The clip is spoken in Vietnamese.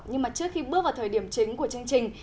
nhưng mà trước khi bước vào thời điểm chính của chương trình